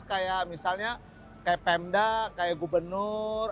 kayak misalnya kayak pemda kayak gubernur